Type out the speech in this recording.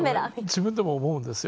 自分でも思うんですよ。